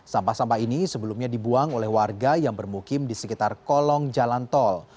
sampah sampah ini sebelumnya dibuang oleh warga yang bermukim di sekitar kolong jalan tol